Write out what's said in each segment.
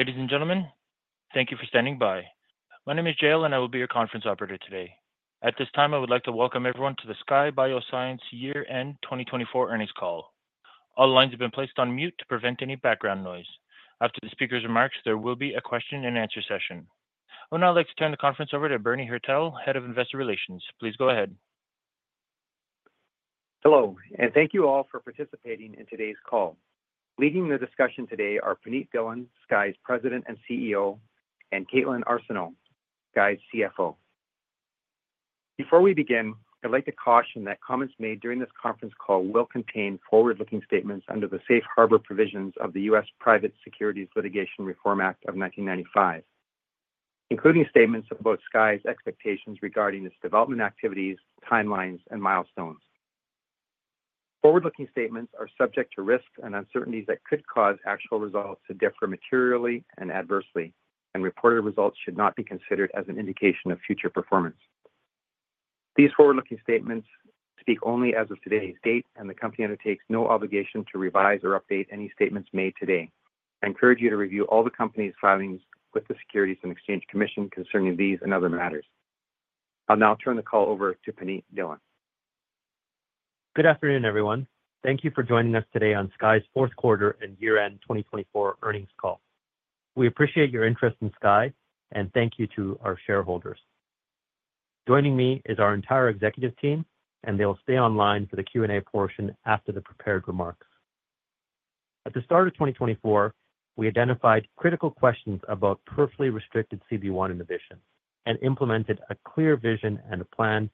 Ladies and gentlemen, thank you for standing by. My name is Jale, and I will be your conference operator today. At this time, I would like to welcome everyone to the Skye Bioscience Year End 2024 earnings call. All lines have been placed on mute to prevent any background noise. After the speaker's remarks, there will be a question-and-answer session. I would now like to turn the conference over to Bernie Hertel, Head of Investor Relations. Please go ahead. Hello, and thank you all for participating in today's call. Leading the discussion today are Punit Dhillon, Skye's President and CEO, and Kaitlyn Arsenault, Skye's CFO. Before we begin, I'd like to caution that comments made during this conference call will contain forward-looking statements under the Safe Harbor Provisions of the U.S. Private Securities Litigation Reform Act of 1995, including statements about Skye's expectations regarding its development activities, timelines, and milestones. Forward-looking statements are subject to risks and uncertainties that could cause actual results to differ materially and adversely, and reported results should not be considered as an indication of future performance. These forward-looking statements speak only as of today's date, and the company undertakes no obligation to revise or update any statements made today. I encourage you to review all the company's filings with the Securities and Exchange Commission concerning these and other matters. I'll now turn the call over to Puneet Dhillon. Good afternoon, everyone. Thank you for joining us today on Skye's fourth quarter and year-end 2024 earnings call. We appreciate your interest in Skye, and thank you to our shareholders. Joining me is our entire executive team, and they will stay online for the Q&A portion after the prepared remarks. At the start of 2024, we identified critical questions about peripherally restricted CB1 inhibition and implemented a clear vision and a plan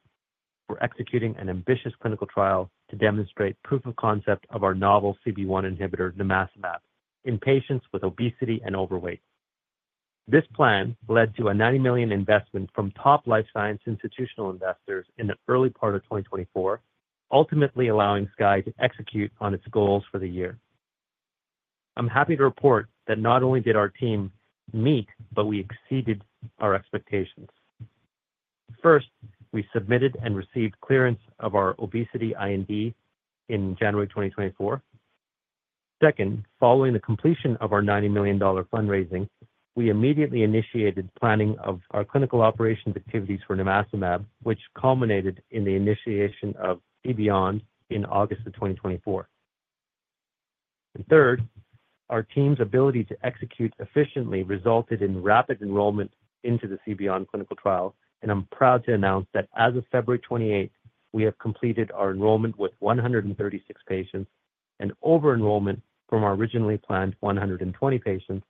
for executing an ambitious clinical trial to demonstrate proof of concept of our novel CB1 inhibitor, nimacimab, in patients with obesity and overweight. This plan led to a $90 million investment from top life science institutional investors in the early part of 2024, ultimately allowing Skye to execute on its goals for the year. I'm happy to report that not only did our team meet, but we exceeded our expectations. First, we submitted and received clearance of our obesity IND in January 2024. Second, following the completion of our $90 million fundraising, we immediately initiated planning of our clinical operations activities for Nimacimab, which culminated in the initiation of CB1 in August of 2024. Third, our team's ability to execute efficiently resulted in rapid enrollment into the CB1 clinical trial, and I'm proud to announce that as of February 28, we have completed our enrollment with 136 patients and over-enrollment from our originally planned 120 patients.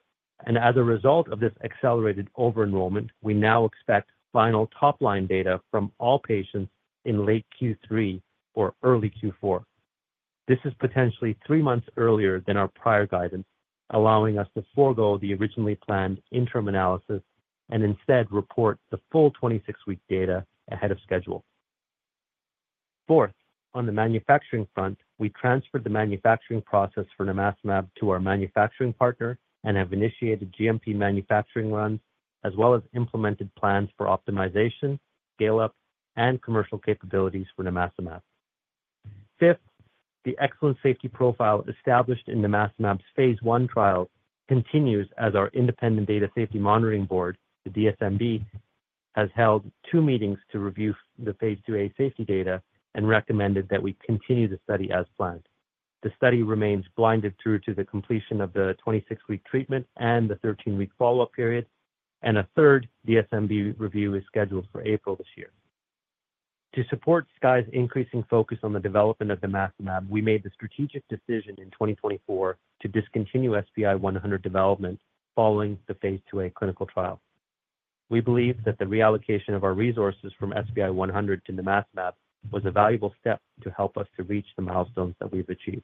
As a result of this accelerated over-enrollment, we now expect final top-line data from all patients in late Q3 or early Q4. This is potentially three months earlier than our prior guidance, allowing us to forego the originally planned interim analysis and instead report the full 26-week data ahead of schedule. Fourth, on the manufacturing front, we transferred the manufacturing process for Nimacimab to our manufacturing partner and have initiated GMP manufacturing runs, as well as implemented plans for optimization, scale-up, and commercial capabilities for Nimacimab. Fifth, the excellent safety profile established in Nimacimab's phase I trials continues as our independent Data Safety Monitoring Board, the DSMB, has held two meetings to review the phase IIA safety data and recommended that we continue the study as planned. The study remains blinded through to the completion of the 26-week treatment and the 13-week follow-up period, and a third DSMB review is scheduled for April this year. To support Skye's increasing focus on the development of Nimacimab, we made the strategic decision in 2024 to discontinue SBI-100 development following the phase IIA clinical trial. We believe that the reallocation of our resources from SBI-100 to Nimacimab was a valuable step to help us to reach the milestones that we've achieved.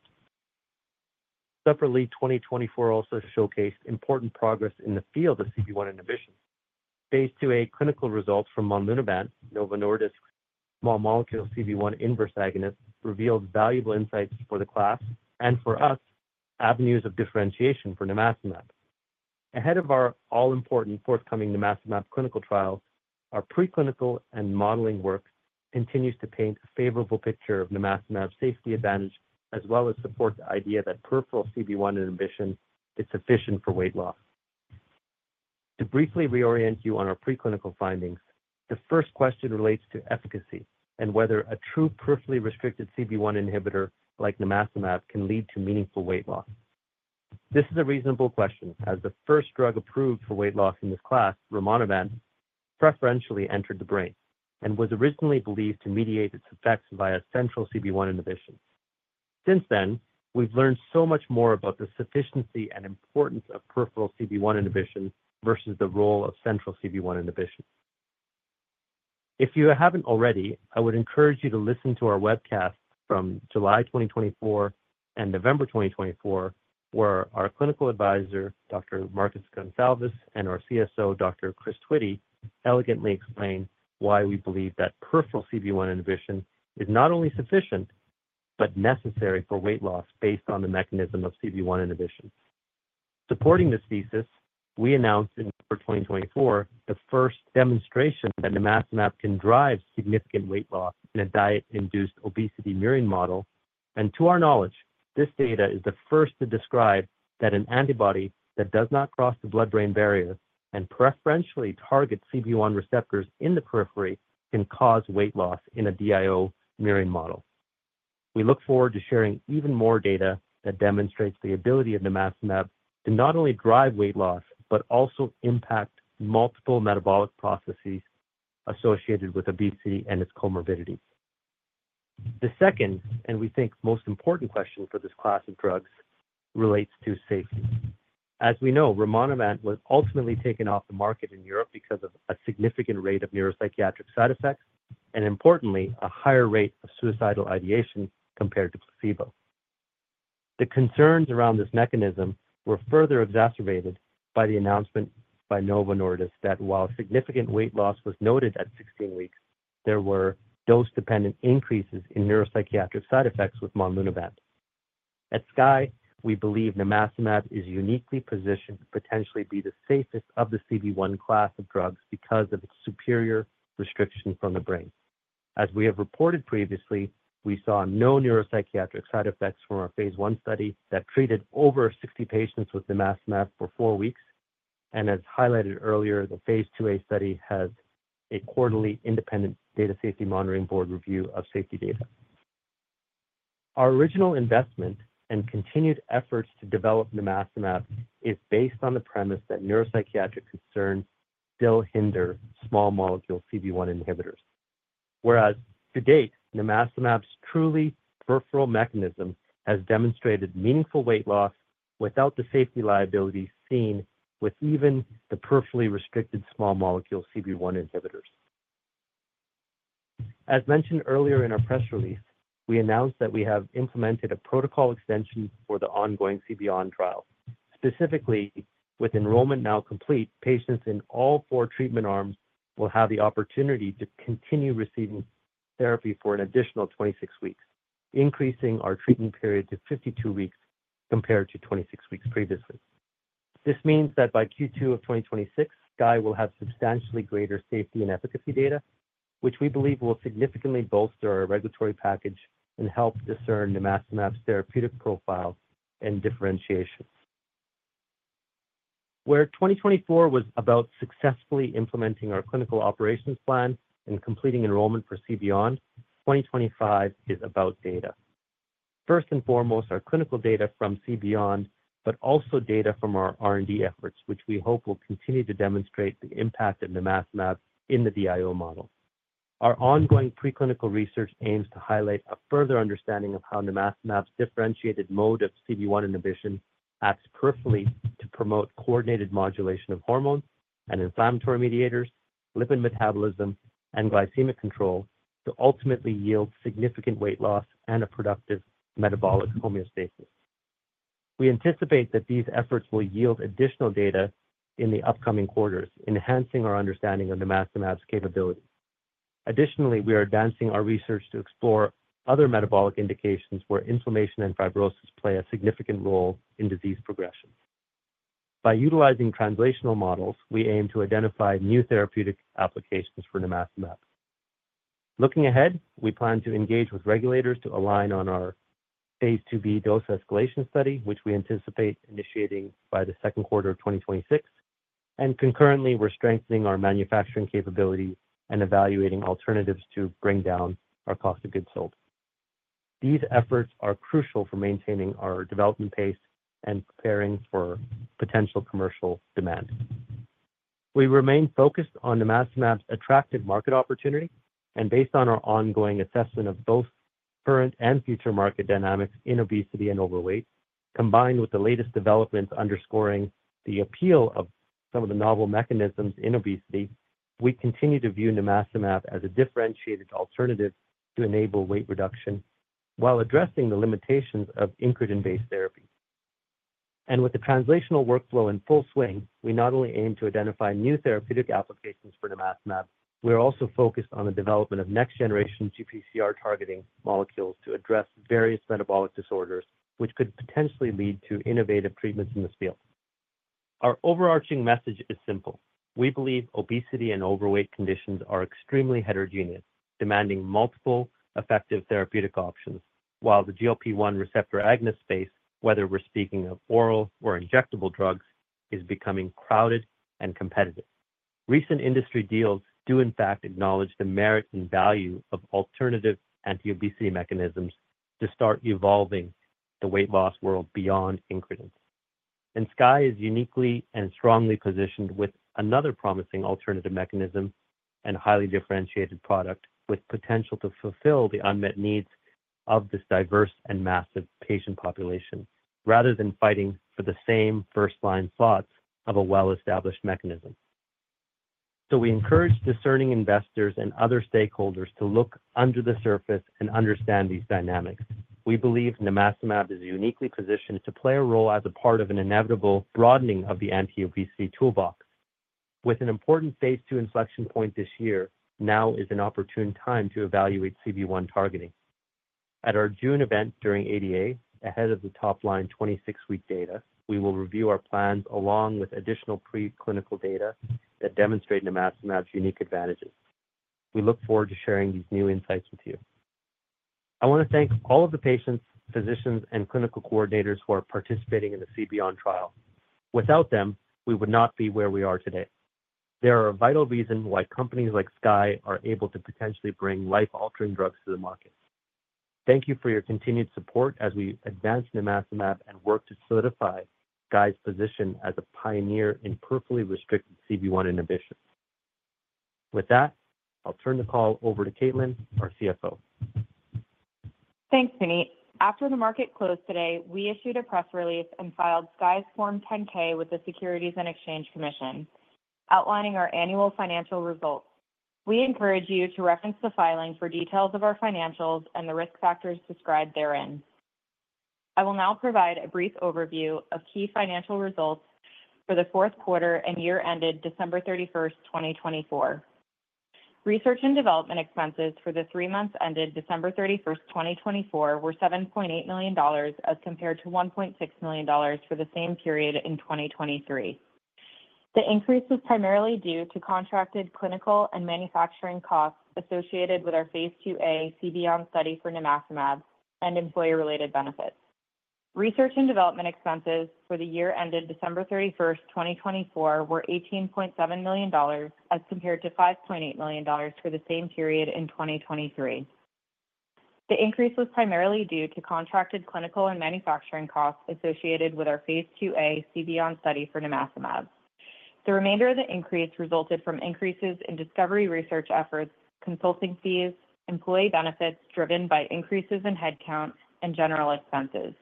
Separately, 2024 also showcased important progress in the field of CB1 inhibition. Phase 2A clinical results from Monlunabant, Novo Nordisk's small molecule CB1 inverse agonist, revealed valuable insights for the class and for us, avenues of differentiation for Nimacimab. Ahead of our all-important forthcoming Nimacimab clinical trial, our preclinical and modeling work continues to paint a favorable picture of Nimacimab's safety advantage, as well as support the idea that peripheral CB1 inhibition is sufficient for weight loss. To briefly reorient you on our preclinical findings, the first question relates to efficacy and whether a true peripherally restricted CB1 inhibitor like Nimacimab can lead to meaningful weight loss. This is a reasonable question, as the first drug approved for weight loss in this class, rimonabant, preferentially entered the brain and was originally believed to mediate its effects via central CB1 inhibition. Since then, we've learned so much more about the sufficiency and importance of peripheral CB1 inhibition versus the role of central CB1 inhibition. If you haven't already, I would encourage you to listen to our webcast from July 2024 and November 2024, where our Clinical Advisor, Dr. Marcus Goncalves, and our CSO, Dr. Chris Twitty, elegantly explain why we believe that peripheral CB1 inhibition is not only sufficient but necessary for weight loss based on the mechanism of CB1 inhibition. Supporting this thesis, we announced in 2024 the first demonstration that nimacimab can drive significant weight loss in a diet-induced obesity model. To our knowledge, this data is the first to describe that an antibody that does not cross the blood-brain barrier and preferentially targets CB1 receptors in the periphery can cause weight loss in a DIO murine model. We look forward to sharing even more data that demonstrates the ability of Nimacimab to not only drive weight loss but also impact multiple metabolic processes associated with obesity and its comorbidities. The second, and we think most important question for this class of drugs relates to safety. As we know, rimonabant was ultimately taken off the market in Europe because of a significant rate of neuropsychiatric side effects and, importantly, a higher rate of suicidal ideation compared to placebo. The concerns around this mechanism were further exacerbated by the announcement by Novo Nordisk that while significant weight loss was noted at 16 weeks, there were dose-dependent increases in neuropsychiatric side effects with Monlunabant. At Skye Bioscience, we believe Nimacimab is uniquely positioned to potentially be the safest of the CB1 class of drugs because of its superior restriction from the brain. As we have reported previously, we saw no neuropsychiatric side effects from our phase I study that treated over 60 patients with Nimacimab for four weeks. As highlighted earlier, the phase IIA study has a quarterly independent Data Safety Monitoring Board review of safety data. Our original investment and continued efforts to develop Nimacimab is based on the premise that neuropsychiatric concerns still hinder small molecule CB1 inhibitors. Whereas to date, Nimacimab's truly peripheral mechanism has demonstrated meaningful weight loss without the safety liability seen with even the peripherally restricted small molecule CB1 inhibitors. As mentioned earlier in our press release, we announced that we have implemented a protocol extension for the ongoing CB1 trial. Specifically, with enrollment now complete, patients in all four treatment arms will have the opportunity to continue receiving therapy for an additional 26 weeks, increasing our treatment period to 52 weeks compared to 26 weeks previously. This means that by Q2 of 2026, SKYE will have substantially greater safety and efficacy data, which we believe will significantly bolster our regulatory package and help discern Nimacimab's therapeutic profile and differentiation. Where 2024 was about successfully implementing our clinical operations plan and completing enrollment for CB1, 2025 is about data. First and foremost, our clinical data from CB1, but also data from our R&D efforts, which we hope will continue to demonstrate the impact of Nimacimab in the DIO model. Our ongoing preclinical research aims to highlight a further understanding of how Nimacimab's differentiated mode of CB1 inhibition acts peripherally to promote coordinated modulation of hormones and inflammatory mediators, lipid metabolism, and glycemic control to ultimately yield significant weight loss and a productive metabolic homeostasis. We anticipate that these efforts will yield additional data in the upcoming quarters, enhancing our understanding of Nimacimab's capability. Additionally, we are advancing our research to explore other metabolic indications where inflammation and fibrosis play a significant role in disease progression. By utilizing translational models, we aim to identify new therapeutic applications for Nimacimab. Looking ahead, we plan to engage with regulators to align on our phase 2B dose escalation study, which we anticipate initiating by the second quarter of 2026. Concurrently, we're strengthening our manufacturing capability and evaluating alternatives to bring down our cost of goods sold. These efforts are crucial for maintaining our development pace and preparing for potential commercial demand. We remain focused on Nimacimab's attractive market opportunity and, based on our ongoing assessment of both current and future market dynamics in obesity and overweight, combined with the latest developments underscoring the appeal of some of the novel mechanisms in obesity, we continue to view Nimacimab as a differentiated alternative to enable weight reduction while addressing the limitations of incretin-based therapy. With the translational workflow in full swing, we not only aim to identify new therapeutic applications for Nimacimab, we are also focused on the development of next-generation GPCR targeting molecules to address various metabolic disorders, which could potentially lead to innovative treatments in this field. Our overarching message is simple. We believe obesity and overweight conditions are extremely heterogeneous, demanding multiple effective therapeutic options, while the GLP-1 receptor agonist space, whether we're speaking of oral or injectable drugs, is becoming crowded and competitive. Recent industry deals do, in fact, acknowledge the merit and value of alternative anti-obesity mechanisms to start evolving the weight loss world beyond incretin. SKYE is uniquely and strongly positioned with another promising alternative mechanism and highly differentiated product with potential to fulfill the unmet needs of this diverse and massive patient population, rather than fighting for the same first-line slots of a well-established mechanism. We encourage discerning investors and other stakeholders to look under the surface and understand these dynamics. We believe Nimacimab is uniquely positioned to play a role as a part of an inevitable broadening of the anti-obesity toolbox. With an important phase II inflection point this year, now is an opportune time to evaluate CB1 targeting. At our June event during ADA, ahead of the top-line 26-week data, we will review our plans along with additional preclinical data that demonstrate Nimacimab's unique advantages. We look forward to sharing these new insights with you. I want to thank all of the patients, physicians, and clinical coordinators who are participating in the CB1 trial. Without them, we would not be where we are today. They are a vital reason why companies like Skye are able to potentially bring life-altering drugs to the market. Thank you for your continued support as we advance Nimacimab and work to solidify Skye's position as a pioneer in peripherally restricted CB1 inhibition. With that, I'll turn the call over to Kaitlyn, our CFO. Thanks, Puneet. After the market closed today, we issued a press release and filed Skye's Form 10-K with the Securities and Exchange Commission, outlining our annual financial results. We encourage you to reference the filing for details of our financials and the risk factors described therein. I will now provide a brief overview of key financial results for the fourth quarter and year-ended December 31, 2024. Research and development expenses for the three months ended December 31, 2024, were $7.8 million as compared to $1.6 million for the same period in 2023. The increase was primarily due to contracted clinical and manufacturing costs associated with our phase IIA CB1 study for Nimacimab and employee-related benefits. Research and development expenses for the year ended December 31, 2024, were $18.7 million as compared to $5.8 million for the same period in 2023. The increase was primarily due to contracted clinical and manufacturing costs associated with our phase IIA CB1 study for nimacimab. The remainder of the increase resulted from increases in discovery research efforts, consulting fees, employee benefits driven by increases in headcount, and general expenses.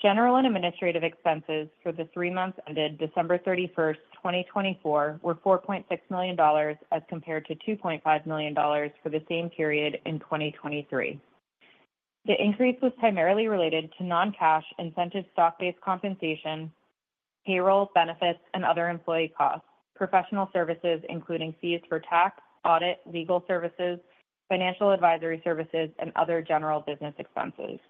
General and administrative expenses for the three months ended December 31, 2024, were $4.6 million as compared to $2.5 million for the same period in 2023. The increase was primarily related to non-cash incentive stock-based compensation, payroll benefits, and other employee costs, professional services, including fees for tax, audit, legal services, financial advisory services, and other general business expenses.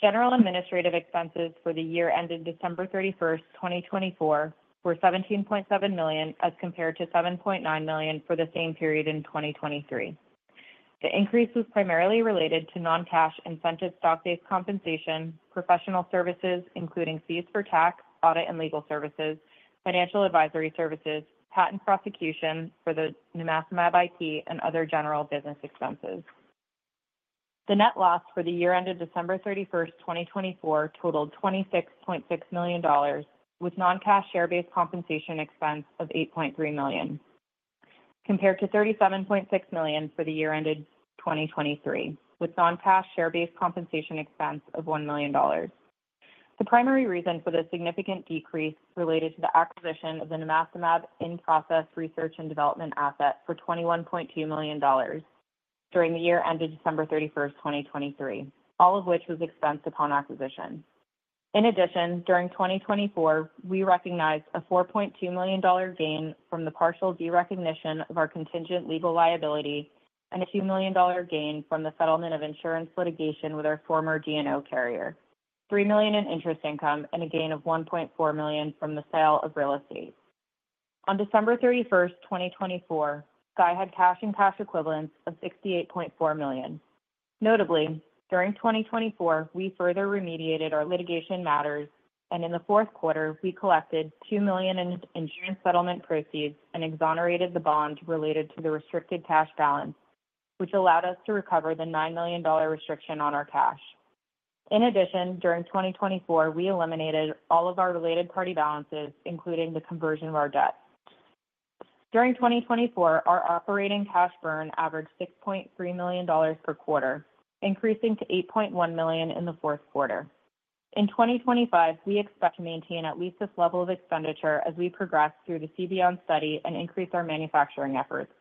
General and administrative expenses for the year-ended December 31, 2024, were $17.7 million as compared to $7.9 million for the same period in 2023. The increase was primarily related to non-cash incentive stock-based compensation, professional services, including fees for tax, audit and legal services, financial advisory services, patent prosecution for the Nimacimab IP and other general business expenses. The net loss for the year-ended December 31, 2024, totaled $26.6 million, with non-cash share-based compensation expense of $8.3 million, compared to $37.6 million for the year-ended 2023, with non-cash share-based compensation expense of $1 million. The primary reason for the significant decrease related to the acquisition of the Nimacimab in-process research and development asset for $21.2 million during the year-ended December 31, 2023, all of which was expensed upon acquisition. In addition, during 2024, we recognized a $4.2 million gain from the partial derecognition of our contingent legal liability and a $2 million gain from the settlement of insurance litigation with our former D&O carrier, $3 million in interest income, and a gain of $1.4 million from the sale of real estate. On December 31, 2024, Skye Bioscience had cash and cash equivalents of $68.4 million. Notably, during 2024, we further remediated our litigation matters, and in the fourth quarter, we collected $2 million in insurance settlement proceeds and exonerated the bond related to the restricted cash balance, which allowed us to recover the $9 million restriction on our cash. In addition, during 2024, we eliminated all of our related party balances, including the conversion of our debt. During 2024, our operating cash burn averaged $6.3 million per quarter, increasing to $8.1 million in the fourth quarter. In 2025, we expect to maintain at least this level of expenditure as we progress through the CB1 study and increase our manufacturing efforts.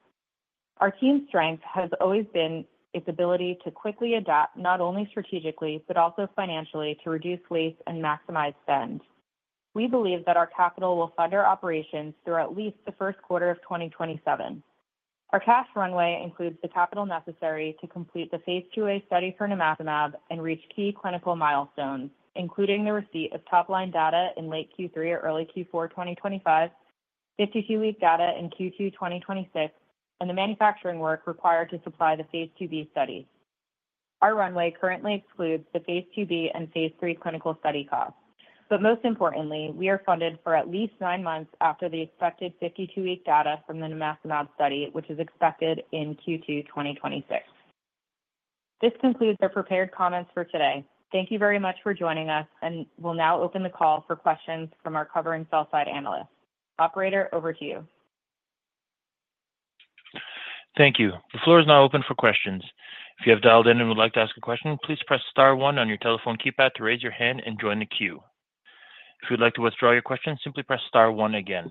Our team's strength has always been its ability to quickly adapt not only strategically but also financially to reduce waste and maximize spend. We believe that our capital will fund our operations through at least the first quarter of 2027. Our cash runway includes the capital necessary to complete the phase IIA study for nimacimab and reach key clinical milestones, including the receipt of top-line data in late Q3 or early Q4 2025, 52-week data in Q2 2026, and the manufacturing work required to supply the phase IIB study. Our runway currently excludes the phase IIB and phase III clinical study costs. Most importantly, we are funded for at least nine months after the expected 52-week data from the Nimacimab study, which is expected in Q2 2026. This concludes our prepared comments for today. Thank you very much for joining us, and we'll now open the call for questions from our covering sell-side analyst. Operator, over to you. Thank you. The floor is now open for questions. If you have dialed in and would like to ask a question, please press Star 1 on your telephone keypad to raise your hand and join the queue. If you'd like to withdraw your question, simply press Star 1 again.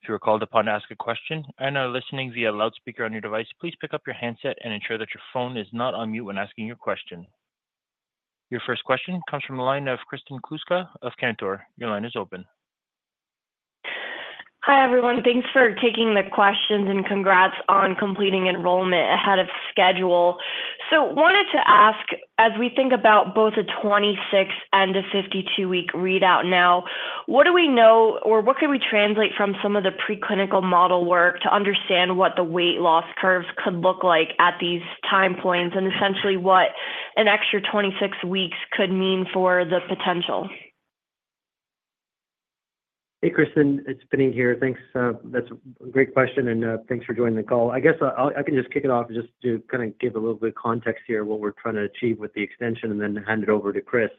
If you are called upon to ask a question and are listening via loudspeaker on your device, please pick up your handset and ensure that your phone is not on mute when asking your question. Your first question comes from the line of Kristen Kluska of Cantor. Your line is open. Hi, everyone. Thanks for taking the questions and congrats on completing enrollment ahead of schedule. Wanted to ask, as we think about both a 26 and a 52-week readout now, what do we know or what can we translate from some of the preclinical model work to understand what the weight loss curves could look like at these time points and essentially what an extra 26 weeks could mean for the potential? Hey, Kristen, it's Punit here. Thanks. That's a great question, and thanks for joining the call. I guess I can just kick it off and just kind of give a little bit of context here of what we're trying to achieve with the extension and then hand it over to Chris.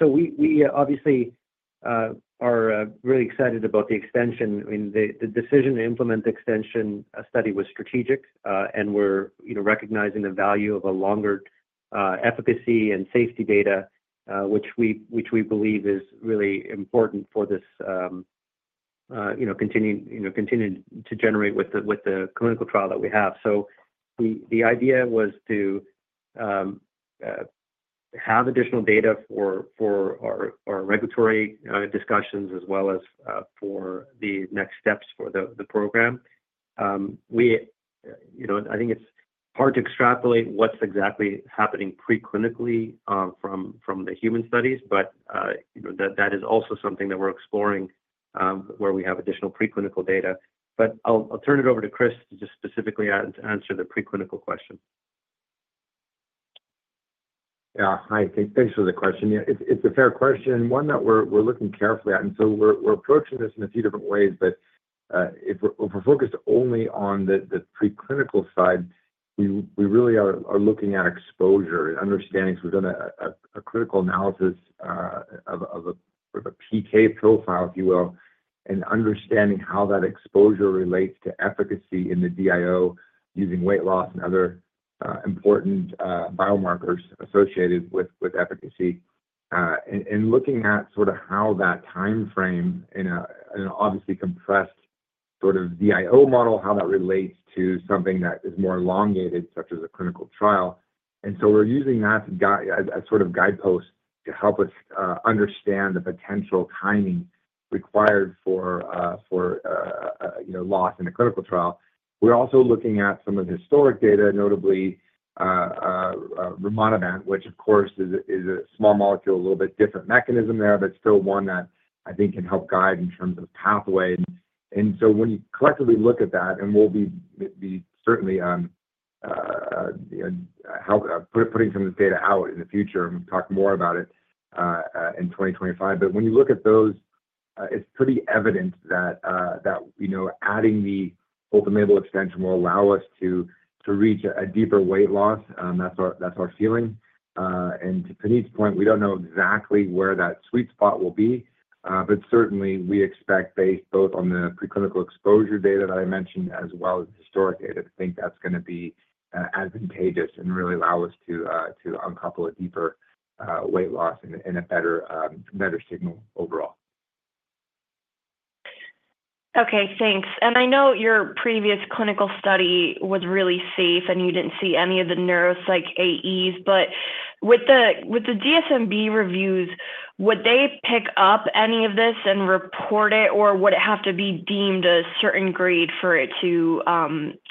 We obviously are really excited about the extension. I mean, the decision to implement the extension study was strategic, and we're recognizing the value of longer efficacy and safety data, which we believe is really important for this continuing to generate with the clinical trial that we have. The idea was to have additional data for our regulatory discussions as well as for the next steps for the program. I think it's hard to extrapolate what's exactly happening preclinically from the human studies, but that is also something that we're exploring where we have additional preclinical data. I'll turn it over to Chris to just specifically answer the preclinical question. Yeah. Hi. Thanks for the question. It's a fair question, one that we're looking carefully at. We're approaching this in a few different ways. If we're focused only on the preclinical side, we really are looking at exposure and understanding. We've done a critical analysis of a PK profile, if you will, and understanding how that exposure relates to efficacy in the DIO using weight loss and other important biomarkers associated with efficacy and looking at sort of how that time frame in an obviously compressed sort of DIO model, how that relates to something that is more elongated, such as a clinical trial. We're using that as sort of guideposts to help us understand the potential timing required for loss in a clinical trial. We're also looking at some of the historic data, notably rimonabant, which, of course, is a small molecule, a little bit different mechanism there, but still one that I think can help guide in terms of pathway. When you collectively look at that, and we'll be certainly putting some of this data out in the future and talk more about it in 2025. When you look at those, it's pretty evident that adding the open-label extension will allow us to reach a deeper weight loss. That's our feeling. To Punit's point, we don't know exactly where that sweet spot will be. Certainly, we expect, based both on the preclinical exposure data that I mentioned as well as the historic data, to think that's going to be advantageous and really allow us to uncouple a deeper weight loss and a better signal overall. Okay. Thanks. I know your previous clinical study was really safe, and you didn't see any of the neuropsych AEs. With the DSMB reviews, would they pick up any of this and report it, or would it have to be deemed a certain grade for it to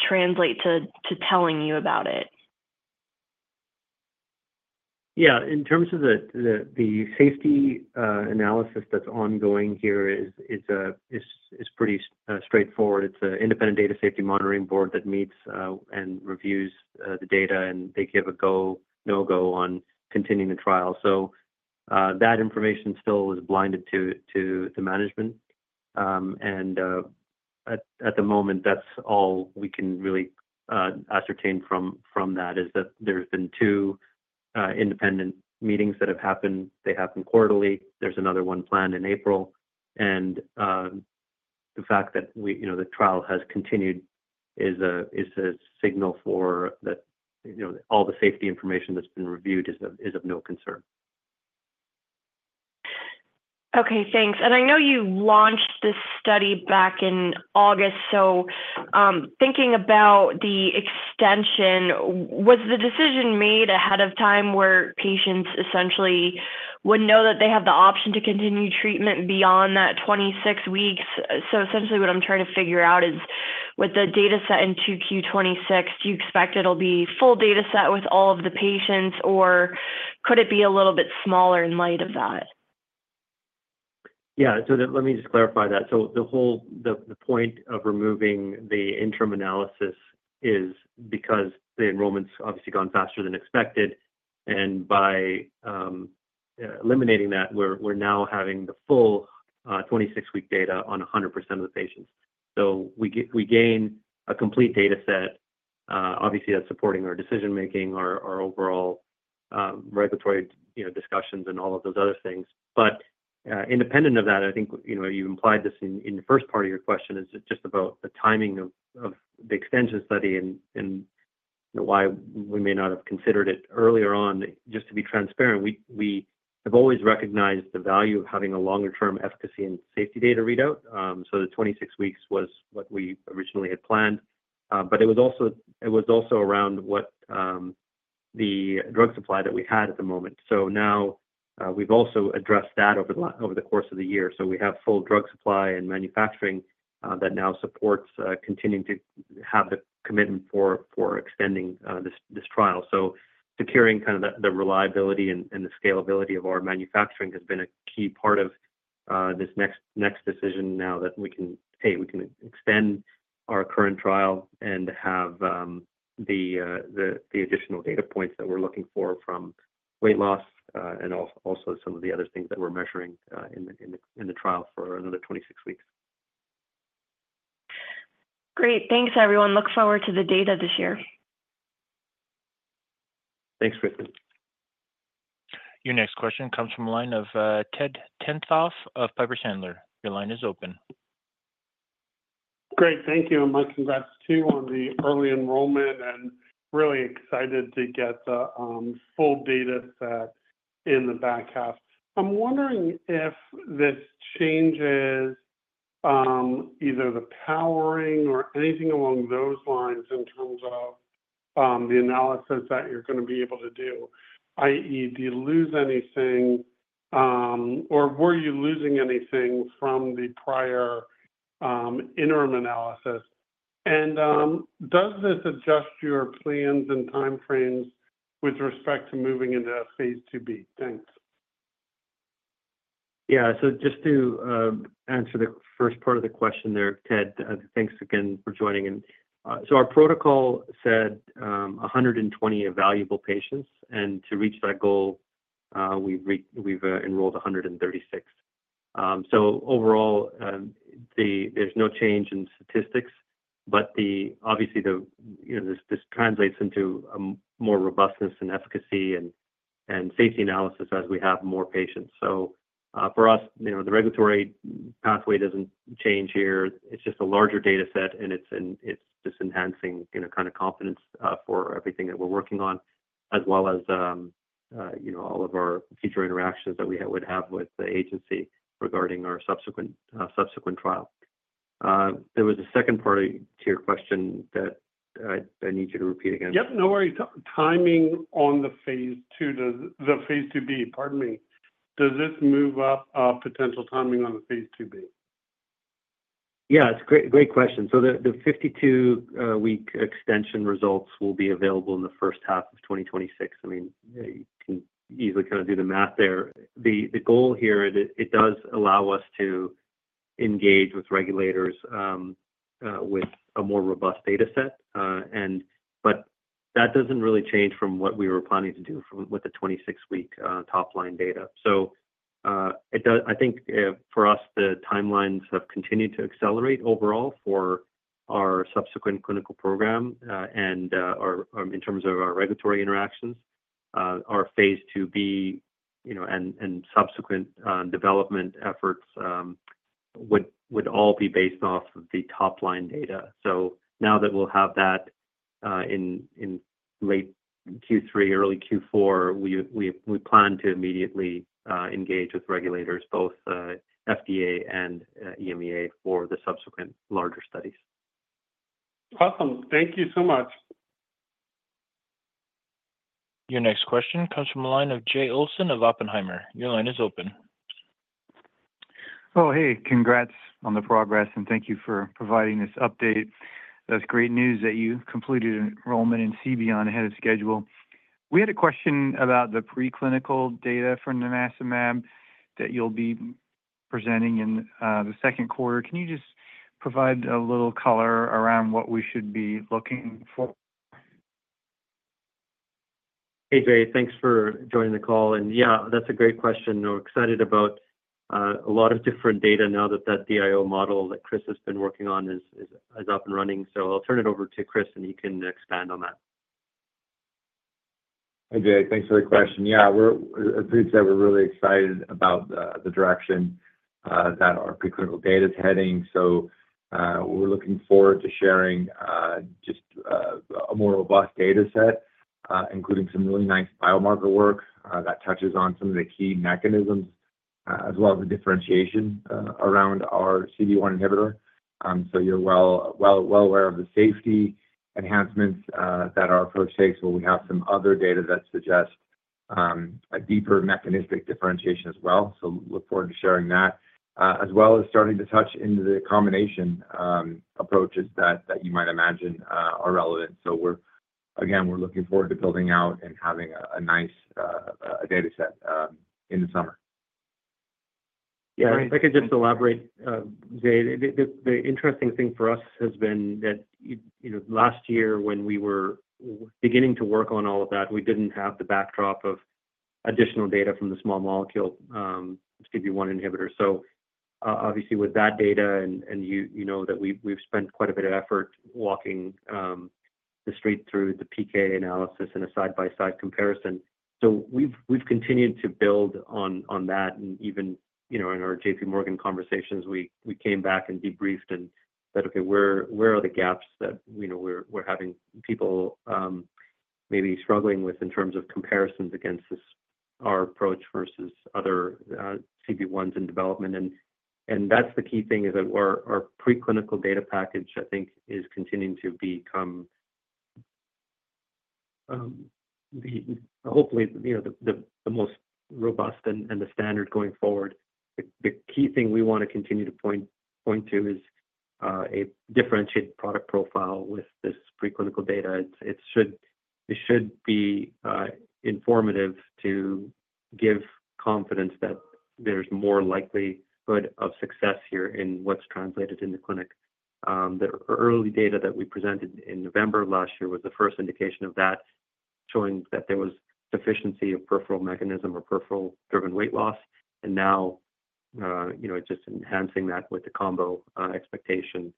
translate to telling you about it? Yeah. In terms of the safety analysis that's ongoing here, it's pretty straightforward. It's an Independent Data Safety Monitoring Board that meets and reviews the data, and they give a go, no-go on continuing the trial. That information still is blinded to management. At the moment, that's all we can really ascertain from that is that there's been two independent meetings that have happened. They happen quarterly. There's another one planned in April. The fact that the trial has continued is a signal for that all the safety information that's been reviewed is of no concern. Okay. Thanks. I know you launched this study back in August. Thinking about the extension, was the decision made ahead of time where patients essentially would know that they have the option to continue treatment beyond that 26 weeks? Essentially, what I'm trying to figure out is with the data set in 2Q 2026, do you expect it'll be full data set with all of the patients, or could it be a little bit smaller in light of that? Yeah. Let me just clarify that. The point of removing the interim analysis is because the enrollment's obviously gone faster than expected. By eliminating that, we're now having the full 26-week data on 100% of the patients. We gain a complete data set. Obviously, that's supporting our decision-making, our overall regulatory discussions, and all of those other things. Independent of that, I think you implied this in the first part of your question is just about the timing of the extension study and why we may not have considered it earlier on. Just to be transparent, we have always recognized the value of having a longer-term efficacy and safety data readout. The 26 weeks was what we originally had planned. It was also around what the drug supply that we had at the moment. Now we've also addressed that over the course of the year. We have full drug supply and manufacturing that now supports continuing to have the commitment for extending this trial. Securing kind of the reliability and the scalability of our manufacturing has been a key part of this next decision now that we can, hey, we can extend our current trial and have the additional data points that we're looking for from weight loss and also some of the other things that we're measuring in the trial for another 26 weeks. Great. Thanks, everyone. Look forward to the data this year. Thanks, Kristen. Your next question comes from the line of Edward Tenthoff of Piper Sandler. Your line is open. Great. Thank you. And my congrats too on the early enrollment and really excited to get the full data set in the back half. I'm wondering if this changes either the powering or anything along those lines in terms of the analysis that you're going to be able to do, i.e., do you lose anything or were you losing anything from the prior interim analysis? Does this adjust your plans and time frames with respect to moving into phase IIB? Thanks. Yeah. Just to answer the first part of the question there, Ted, thanks again for joining. Our protocol said 120 available patients. To reach that goal, we've enrolled 136. Overall, there's no change in statistics, but obviously, this translates into more robustness in efficacy and safety analysis as we have more patients. For us, the regulatory pathway doesn't change here. It's just a larger data set, and it's just enhancing kind of confidence for everything that we're working on as well as all of our future interactions that we would have with the agency regarding our subsequent trial. There was a second part to your question that I need you to repeat again. Yep. No worries. Timing on the phase II, the phase IIB, pardon me. Does this move up potential timing on the phase IIB? Yeah. It's a great question. The 52-week extension results will be available in the first half of 2026. I mean, you can easily kind of do the math there. The goal here, it does allow us to engage with regulators with a more robust data set. That doesn't really change from what we were planning to do with the 26-week top-line data. I think for us, the timelines have continued to accelerate overall for our subsequent clinical program. In terms of our regulatory interactions, our phase IIB and subsequent development efforts would all be based off of the top-line data. Now that we'll have that in late Q3, early Q4, we plan to immediately engage with regulators, both FDA and EMEA for the subsequent larger studies. Awesome. Thank you so much. Your next question comes from the line of Jay Olson of Oppenheimer. Your line is open. Oh, hey. Congrats on the progress, and thank you for providing this update. That's great news that you completed enrollment in CBeyond ahead of schedule. We had a question about the preclinical data from nimacimab that you'll be presenting in the second quarter. Can you just provide a little color around what we should be looking for? Hey, Jay. Thanks for joining the call. Yeah, that's a great question. We're excited about a lot of different data now that that DIO model that Chris has been working on is up and running. I'll turn it over to Chris, and he can expand on that. Hey, Jay. Thanks for the question. Yeah. We're really excited about the direction that our preclinical data is heading. We're looking forward to sharing just a more robust data set, including some really nice biomarker work that touches on some of the key mechanisms as well as the differentiation around our CB1 inhibitor. You're well aware of the safety enhancements that our approach takes where we have some other data that suggests a deeper mechanistic differentiation as well. Look forward to sharing that as well as starting to touch into the combination approaches that you might imagine are relevant. Again, we're looking forward to building out and having a nice data set in the summer. Yeah. If I could just elaborate, Jay, the interesting thing for us has been that last year when we were beginning to work on all of that, we did not have the backdrop of additional data from the small molecule CB1 inhibitor. Obviously, with that data, and you know that we've spent quite a bit of effort walking the street through the PK analysis and a side-by-side comparison. We've continued to build on that. Even in our JPMorgan conversations, we came back and debriefed and said, "Okay, where are the gaps that we're having people maybe struggling with in terms of comparisons against our approach versus other CB1s in development?" The key thing is that our preclinical data package, I think, is continuing to become hopefully the most robust and the standard going forward. The key thing we want to continue to point to is a differentiated product profile with this preclinical data. It should be informative to give confidence that there's more likelihood of success here in what's translated in the clinic. The early data that we presented in November of last year was the first indication of that, showing that there was deficiency of peripheral mechanism or peripheral-driven weight loss. Now just enhancing that with the combo expectation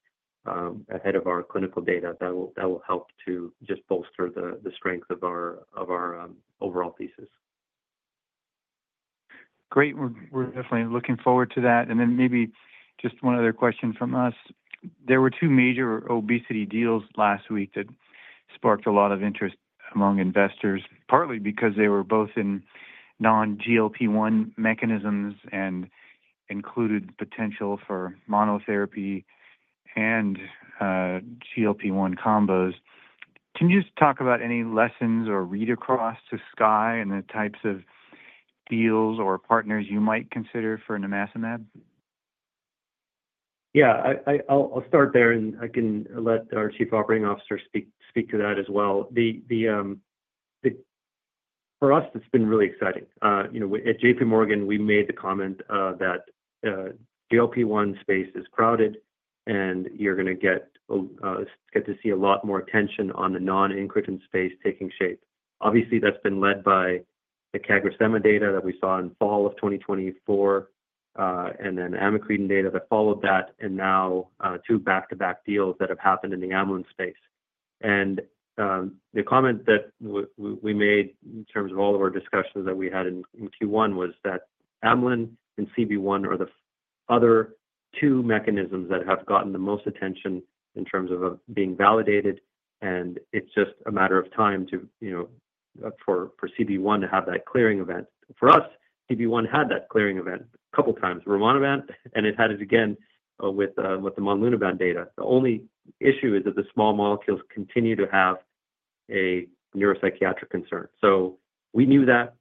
ahead of our clinical data that will help to just bolster the strength of our overall thesis. Great. We're definitely looking forward to that. Maybe just one other question from us. There were two major obesity deals last week that sparked a lot of interest among investors, partly because they were both in non-GLP-1 mechanisms and included potential for monotherapy and GLP-1 combos. Can you just talk about any lessons or read across to Skye and the types of deals or partners you might consider for nimacimab? Yeah. I'll start there, and I can let our Chief Operating Officer speak to that as well. For us, it's been really exciting. At JPMorgan, we made the comment that GLP-1 space is crowded, and you're going to get to see a lot more attention on the non-incretin space taking shape. Obviously, that's been led by the CagriSema data that we saw in fall of 2024 and then Amycretin data that followed that, and now two back-to-back deals that have happened in the amylin space. The comment that we made in terms of all of our discussions that we had in Q1 was that amylin and CB1 are the other two mechanisms that have gotten the most attention in terms of being validated, and it's just a matter of time for CB1 to have that clearing event. For us, CB1 had that clearing event a couple of times, rimonabant, and it had it again with the Monlunabant data. The only issue is that the small molecules continue to have a neuropsychiatric concern. We knew that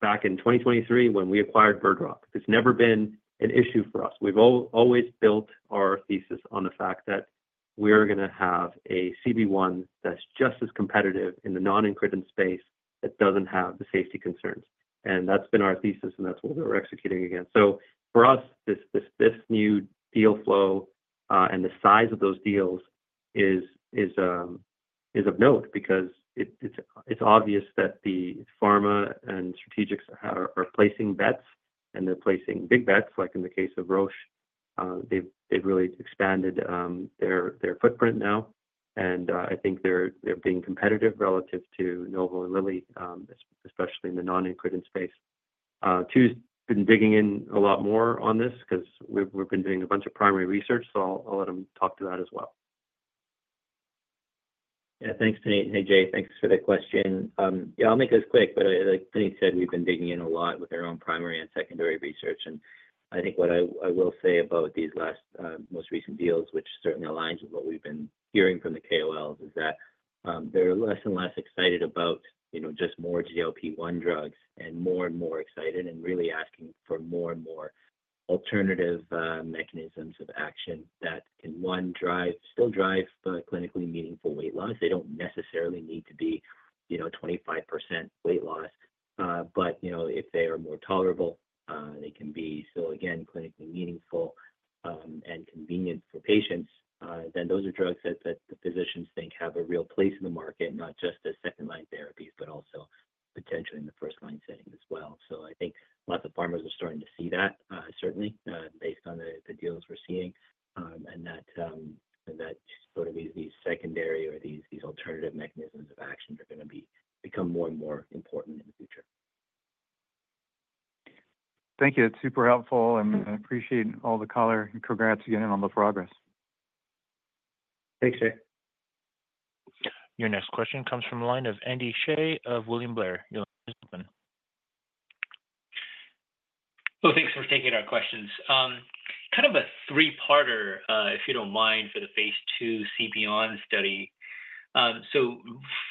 back in 2023 when we acquired Bird Rock. It's never been an issue for us. We've always built our thesis on the fact that we're going to have a CBeyond that's just as competitive in the non-incretin space that doesn't have the safety concerns. That's been our thesis, and that's what we're executing against. For us, this new deal flow and the size of those deals is of note because it's obvious that the pharma and strategics are placing bets, and they're placing big bets. Like in the case of Roche, they've really expanded their footprint now. I think they're being competitive relative to Novo and Lilly, especially in the non-incretin space. Tu's been digging in a lot more on this because we've been doing a bunch of primary research, so I'll let him talk to that as well. Yeah. Thanks, Punit Hey, Jay. Thanks for the question. Yeah. I'll make this quick, but like Punit said, we've been digging in a lot with our own primary and secondary research. I think what I will say about these last most recent deals, which certainly aligns with what we've been hearing from the KOLs, is that they're less and less excited about just more GLP-1 drugs and more and more excited and really asking for more and more alternative mechanisms of action that can, one, still drive clinically meaningful weight loss. They don't necessarily need to be 25% weight loss. If they are more tolerable, they can be still, again, clinically meaningful and convenient for patients, then those are drugs that the physicians think have a real place in the market, not just as second-line therapies, but also potentially in the first-line setting as well. I think lots of pharmacists are starting to see that, certainly, based on the deals we're seeing and that sort of these secondary or these alternative mechanisms of action are going to become more and more important in the future. Thank you. That's super helpful. I appreciate all the color. Congrats again on the progress. Thanks, Jay. Your next question comes from the line of Andy Hsieh of William Blair. Your line is open. Thanks for taking our questions. Kind of a three-parter, if you don't mind, for the phase II CBeyond study.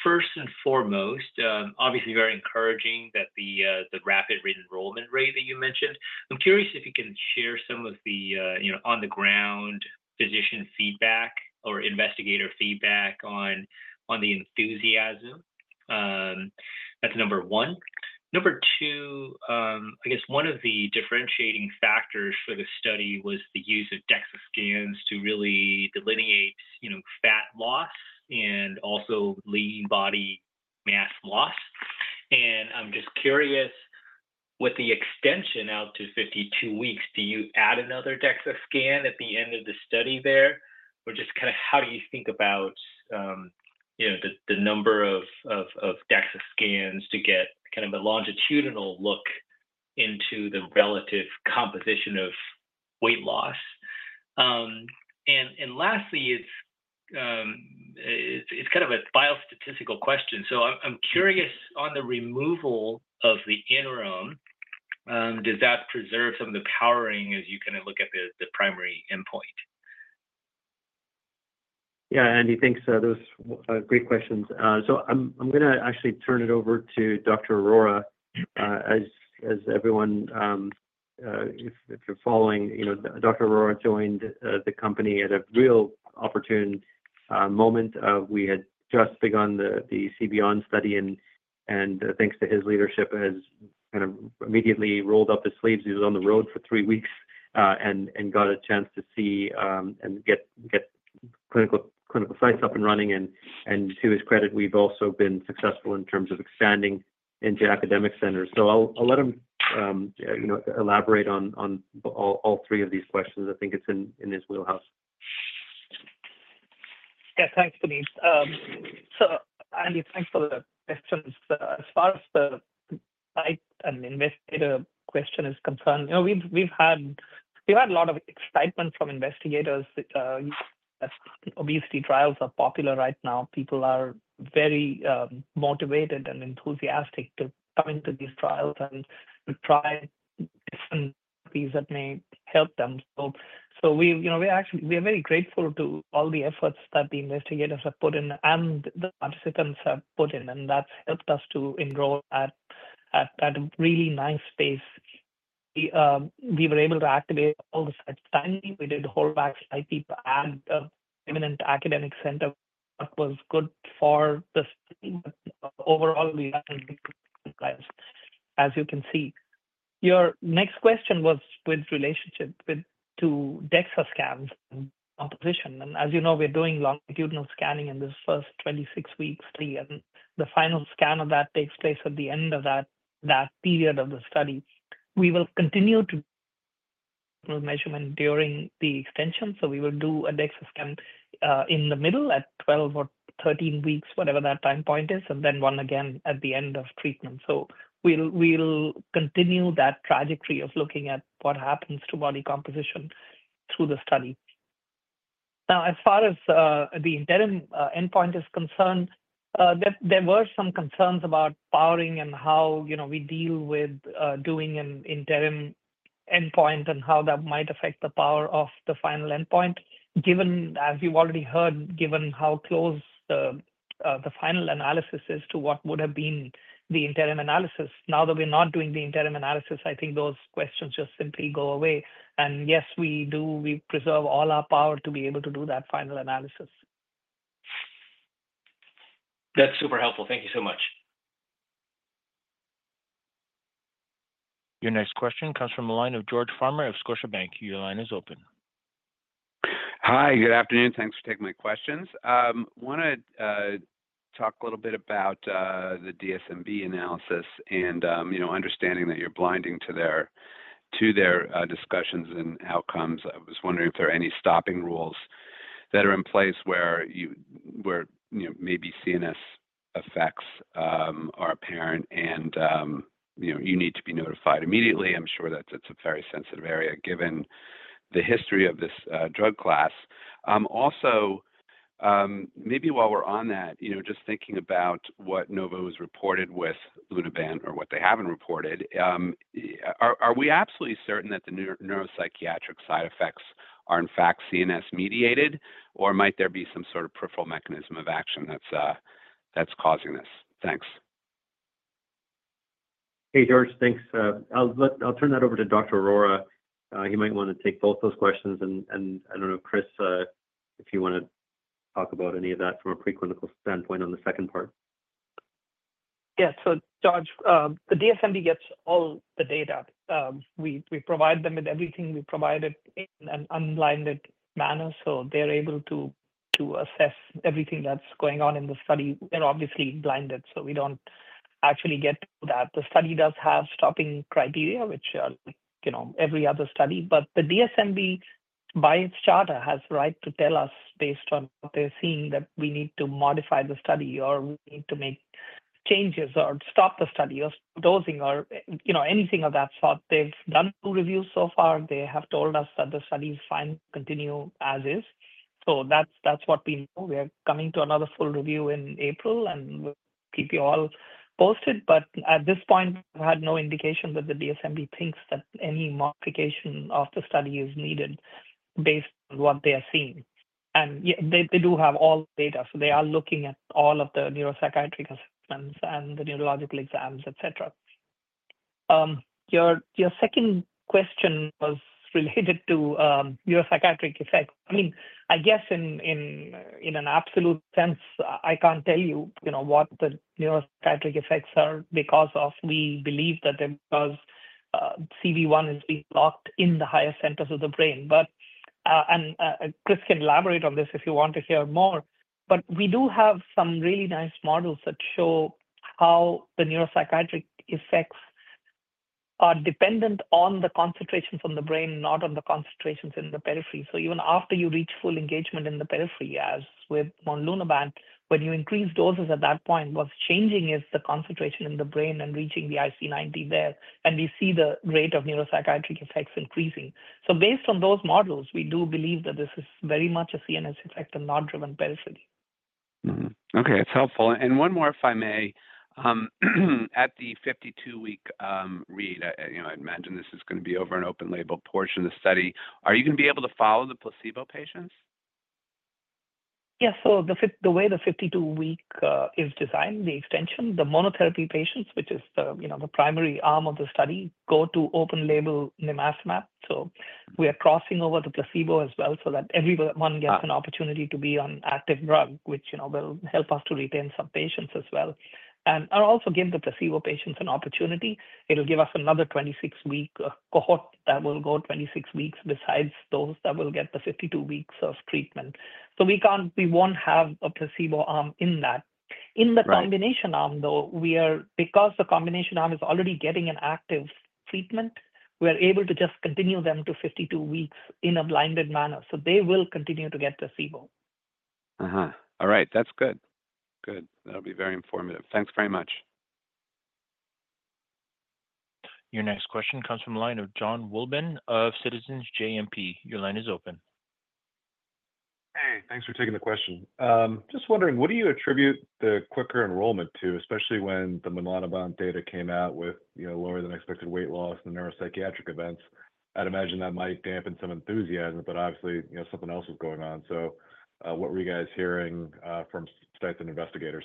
First and foremost, obviously, very encouraging that the rapid re-enrollment rate that you mentioned. I'm curious if you can share some of the on-the-ground physician feedback or investigator feedback on the enthusiasm. That's number one. Number two, I guess one of the differentiating factors for the study was the use of DEXA scans to really delineate fat loss and also lean body mass loss. I'm just curious, with the extension out to 52 weeks, do you add another DEXA scan at the end of the study there? Just kind of how do you think about the number of DEXA scans to get kind of a longitudinal look into the relative composition of weight loss? Lastly, it's kind of a biostatistical question. I'm curious, on the removal of the interim, does that preserve some of the powering as you kind of look at the primary endpoint? Yeah. Andy, thanks. Those are great questions. I'm going to actually turn it over to Dr. Arora. As everyone, if you're following, Dr. Arora joined the company at a real opportune moment. We had just begun the CBeyond study, and thanks to his leadership, has kind of immediately rolled up his sleeves. He was on the road for three weeks and got a chance to see and get clinical sites up and running. To his credit, we've also been successful in terms of expanding into academic centers. I'll let him elaborate on all three of these questions. I think it's in his wheelhouse. Yeah. Thanks, Punit. Andy, thanks for the questions. As far as the site and investigator question is concerned, we've had a lot of excitement from investigators. Obesity trials are popular right now. People are very motivated and enthusiastic to come into these trials and to try different things that may help them. We're very grateful to all the efforts that the investigators have put in and the participants have put in. That's helped us to enroll at a really nice pace. We were able to activate all the site planning. We did the whole back-slide deep ad of eminent academic center, which was good for the study. Overall, we got to do as you can see. Your next question was with relationship to DEXA scans and composition. As you know, we're doing longitudinal scanning in this first 26-week study. The final scan of that takes place at the end of that period of the study. We will continue to do measurement during the extension. We will do a DEXA scan in the middle at 12 or 13 weeks, whatever that time point is, and then one again at the end of treatment. We'll continue that trajectory of looking at what happens to body composition through the study. Now, as far as the interim endpoint is concerned, there were some concerns about powering and how we deal with doing an interim endpoint and how that might affect the power of the final endpoint, as you've already heard, given how close the final analysis is to what would have been the interim analysis. Now that we're not doing the interim analysis, I think those questions just simply go away. Yes, we do. We preserve all our power to be able to do that final analysis. That's super helpful. Thank you so much. Your next question comes from the line of George Farmer of Scotiabank. Your line is open. Hi. Good afternoon. Thanks for taking my questions. I want to talk a little bit about the DSMB analysis and understanding that you're blinding to their discussions and outcomes. I was wondering if there are any stopping rules that are in place where maybe CNS effects are apparent and you need to be notified immediately. I'm sure that's a very sensitive area given the history of this drug class. Also, maybe while we're on that, just thinking about what Novo has reported with Monlunabant or what they haven't reported, are we absolutely certain that the neuropsychiatric side effects are in fact CNS-mediated, or might there be some sort of peripheral mechanism of action that's causing this? Thanks. Hey, George. Thanks. I'll turn that over to Dr. Arora. He might want to take both those questions. I don't know, Chris, if you want to talk about any of that from a preclinical standpoint on the second part. Yeah. So George, the DSMB gets all the data. We provide them with everything we provide in an unblinded manner. They're able to assess everything that's going on in the study. They're obviously blinded, so we don't actually get that. The study does have stopping criteria, which are every other study. The DSMB, by its charter, has the right to tell us based on what they're seeing that we need to modify the study or we need to make changes or stop the study or stop dosing or anything of that sort. They've done reviews so far. They have told us that the study is fine to continue as is. That's what we know. We're coming to another full review in April, and we'll keep you all posted. At this point, we've had no indication that the DSMB thinks that any modification of the study is needed based on what they are seeing. They do have all data. They are looking at all of the neuropsychiatric assessments and the neurological exams, etc. Your second question was related to neuropsychiatric effects. I mean, I guess in an absolute sense, I can't tell you what the neuropsychiatric effects are because we believe that CB1 is being locked in the higher centers of the brain. Chris can elaborate on this if you want to hear more. We do have some really nice models that show how the neuropsychiatric effects are dependent on the concentrations in the brain, not on the concentrations in the periphery. Even after you reach full engagement in the periphery, as with Monlunabant, when you increase doses at that point, what's changing is the concentration in the brain and reaching the IC90 there. We see the rate of neuropsychiatric effects increasing. Based on those models, we do believe that this is very much a CNS effect and not driven periphery. Okay. That's helpful. One more, if I may. At the 52-week read, I imagine this is going to be over an open-label portion of the study. Are you going to be able to follow the placebo patients? Yeah. The way the 52-week is designed, the extension, the monotherapy patients, which is the primary arm of the study, go to open-label nimacimab. We are crossing over the placebo as well so that everyone gets an opportunity to be on active drug, which will help us to retain some patients as well. It also gives the placebo patients an opportunity. It'll give us another 26-week cohort that will go 26 weeks besides those that will get the 52 weeks of treatment. We will not have a placebo arm in that. In the combination arm, though, because the combination arm is already getting an active treatment, we are able to just continue them to 52 weeks in a blinded manner. They will continue to get placebo. All right. That is good. Good. That will be very informative. Thanks very much. Your next question comes from the line of Jonathan Wolleben of Citizens JMP. Your line is open. Hey. Thanks for taking the question. Just wondering, what do you attribute the quicker enrollment to, especially when the Monlunabant data came out with lower-than-expected weight loss and the neuropsychiatric events? I would imagine that might dampen some enthusiasm, but obviously, something else was going on. What were you guys hearing from sites and investigators?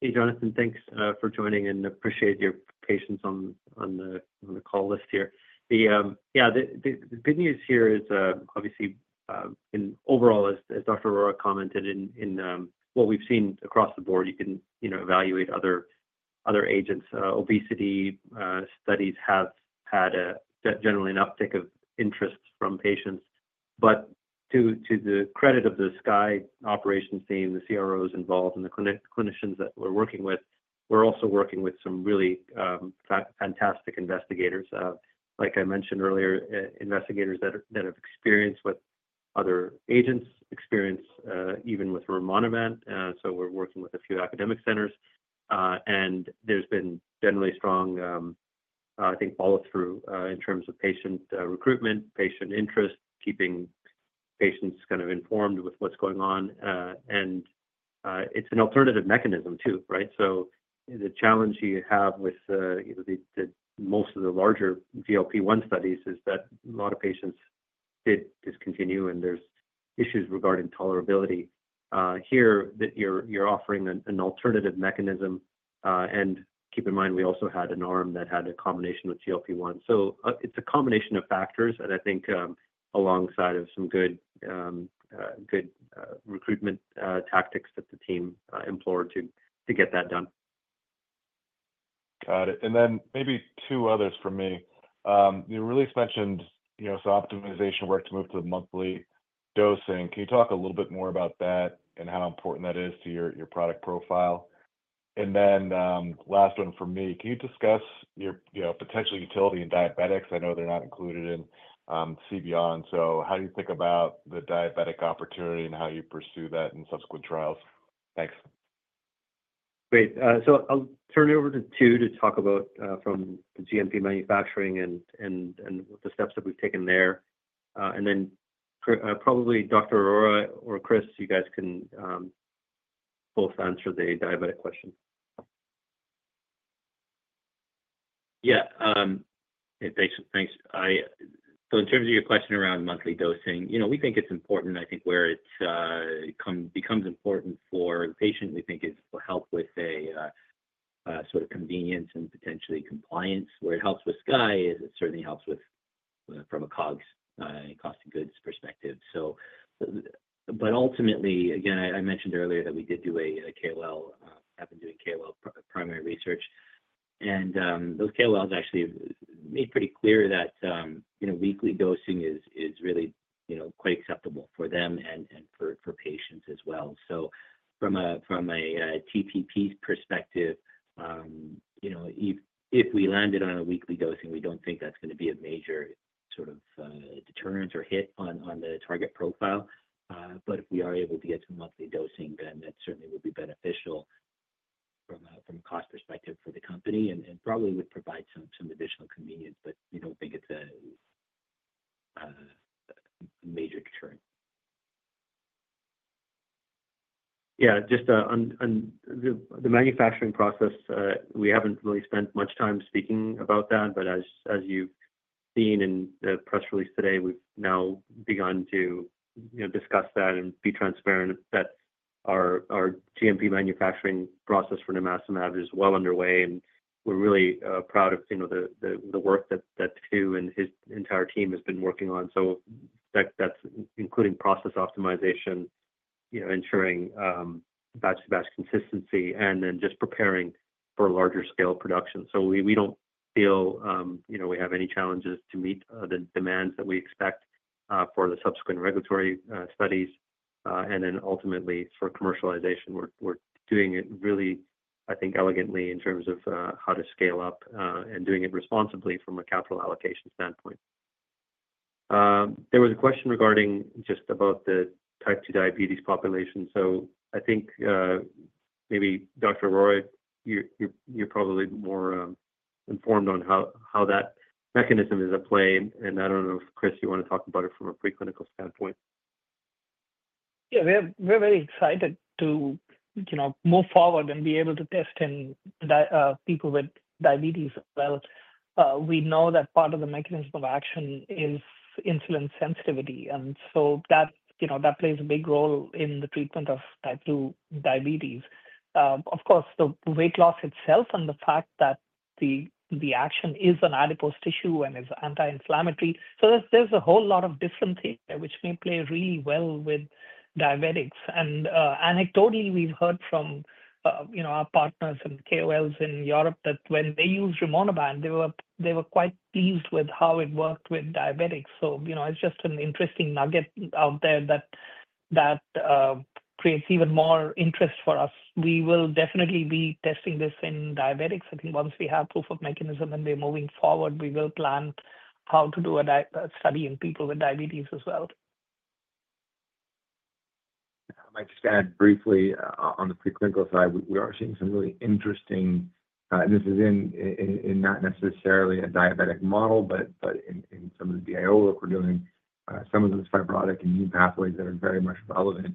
Hey, Jonathan, thanks for joining, and appreciate your patience on the call list here. Yeah. The good news here is, obviously, overall, as Dr. Arora commented, in what we've seen across the board, you can evaluate other agents. Obesity studies have had generally an uptick of interest from patients. To the credit of the Skye operations team, the CROs involved, and the clinicians that we're working with, we're also working with some really fantastic investigators. Like I mentioned earlier, investigators that have experience with other agents, experience even with Rimonabant. We're working with a few academic centers. There has been generally strong, I think, follow-through in terms of patient recruitment, patient interest, keeping patients kind of informed with what's going on. It's an alternative mechanism too, right? The challenge you have with most of the larger GLP-1 studies is that a lot of patients did discontinue, and there's issues regarding tolerability. Here, you're offering an alternative mechanism. Keep in mind, we also had an arm that had a combination with GLP-1. It is a combination of factors. I think alongside some good recruitment tactics that the team implored to get that done. Got it. Maybe two others for me. You really mentioned some optimization work to move to the monthly dosing. Can you talk a little bit more about that and how important that is to your product profile? Last one for me. Can you discuss your potential utility in diabetics? I know they're not included in CBeyond. How do you think about the diabetic opportunity and how you pursue that in subsequent trials? Thanks. Great. I'll turn it over to Tu to talk about from the GMP manufacturing and the steps that we've taken there. Then probably Dr. Arora or Chris, you guys can both answer the diabetic question. Yeah. Hey, thanks. In terms of your question around monthly dosing, we think it's important. I think where it becomes important for the patient, we think it will help with a sort of convenience and potentially compliance. Where it helps with Skye is it certainly helps from a COGS and cost of goods perspective. Ultimately, again, I mentioned earlier that we did do a KOL. I've been doing KOL primary research. Those KOLs actually made pretty clear that weekly dosing is really quite acceptable for them and for patients as well. From a TPP perspective, if we landed on a weekly dosing, we don't think that's going to be a major sort of deterrent or hit on the target profile. If we are able to get to monthly dosing, then that certainly would be beneficial from a cost perspective for the company and probably would provide some additional convenience. We do not think it is a major deterrent. The manufacturing process, we have not really spent much time speaking about that. As you have seen in the press release today, we have now begun to discuss that and be transparent that our GMP manufacturing process for nimacimab is well underway. We are really proud of the work that Puneet and his entire team have been working on. That is including process optimization, ensuring batch-to-batch consistency, and then just preparing for larger-scale production. We do not feel we have any challenges to meet the demands that we expect for the subsequent regulatory studies. Ultimately, for commercialization, we're doing it really, I think, elegantly in terms of how to scale up and doing it responsibly from a capital allocation standpoint. There was a question regarding just about the type 2 diabetes population. I think maybe Dr. Arora, you're probably more informed on how that mechanism is at play. I don't know if Chris, you want to talk about it from a preclinical standpoint. Yeah. We're very excited to move forward and be able to test in people with diabetes as well. We know that part of the mechanism of action is insulin sensitivity. That plays a big role in the treatment of type 2 diabetes. Of course, the weight loss itself and the fact that the action is on adipose tissue and is anti-inflammatory. There is a whole lot of different things which may play really well with diabetics. Anecdotally, we've heard from our partners and KOLs in Europe that when they used Rimonabant, they were quite pleased with how it worked with diabetics. It is just an interesting nugget out there that creates even more interest for us. We will definitely be testing this in diabetics. I think once we have proof of mechanism and we're moving forward, we will plan how to do a study in people with diabetes as well. I just add briefly on the preclinical side, we are seeing some really interesting—this is not necessarily a diabetic model, but in some of the DIO work we're doing, some of those fibrotic immune pathways that are very much relevant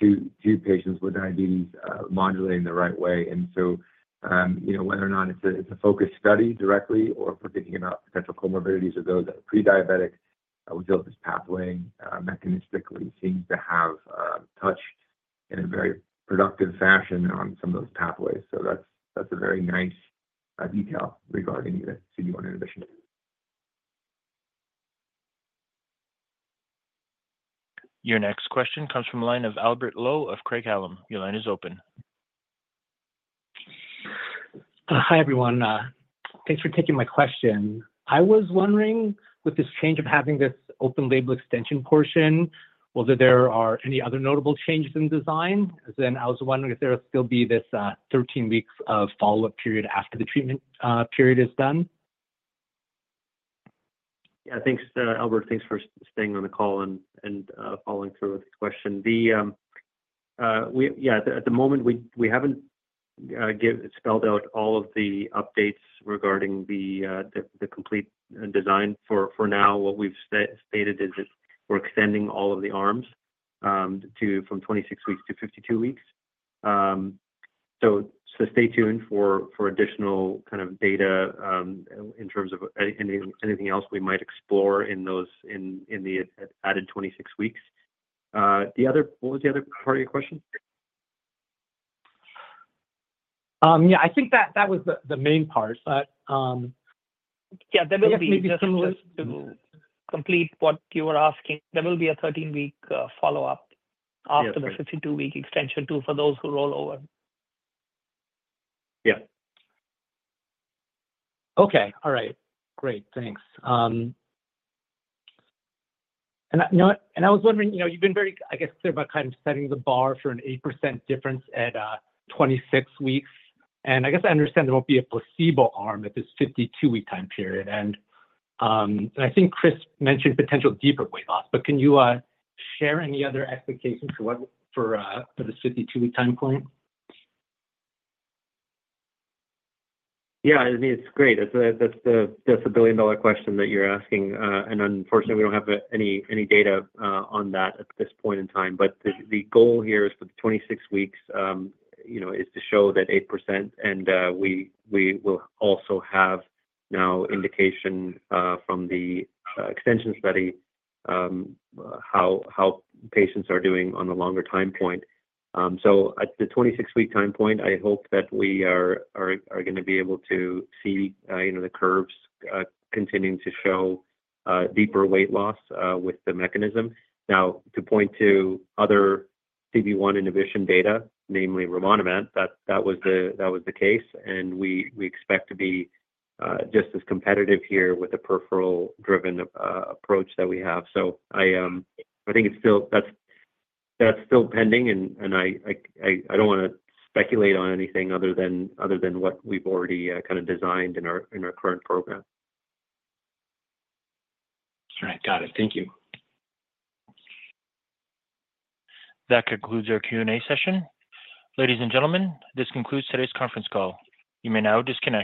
to patients with diabetes modulating the right way. Whether or not it is a focused study directly or if we are thinking about potential comorbidities with those that are prediabetic, we feel this pathway mechanistically seems to have touched in a very productive fashion on some of those pathways. That is a very nice detail regarding the CB1 inhibition. Your next question comes from the line of Albert Lowe of Craig-Hallum. Your line is open. Hi everyone. Thanks for taking my question. I was wondering with this change of having this open-label extension portion, whether there are any other notable changes in design. I was also wondering if there will still be this 13-week follow-up period after the treatment period is done. Yeah. Thanks, Albert. Thanks for staying on the call and following through with the question. At the moment, we have not spelled out all of the updates regarding the complete design. For now, what we've stated is that we're extending all of the arms from 26 weeks-52 weeks. Stay tuned for additional kind of data in terms of anything else we might explore in the added 26 weeks. What was the other part of your question? Yeah. I think that was the main part. Yeah. There will be a complete—what you were asking—there will be a 13-week follow-up after the 52-week extension too for those who roll over. Yeah. Okay. All right. Great. Thanks. I was wondering, you've been very, I guess, clear about kind of setting the bar for an 8% difference at 26 weeks. I guess I understand there won't be a placebo arm at this 52-week time period. I think Chris mentioned potential deeper weight loss. Can you share any other expectations for this 52-week time point? Yeah. I mean, it's great. That's the billion-dollar question that you're asking. Unfortunately, we don't have any data on that at this point in time. The goal here is for the 26 weeks is to show that 8%. We will also have now indication from the extension study how patients are doing on the longer time point. At the 26-week time point, I hope that we are going to be able to see the curves continuing to show deeper weight loss with the mechanism. To point to other CB1 inhibition data, namely Rimonabant, that was the case. We expect to be just as competitive here with the peripheral-driven approach that we have. I think that's still pending. I don't want to speculate on anything other than what we've already kind of designed in our current program. All right. Got it. Thank you. That concludes our Q&A session. Ladies and gentlemen, this concludes today's conference call. You may now disconnect.